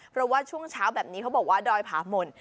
เพราะว่าช่วงเช้าแบบนี้เขาบอกว่าดอยผาหม่น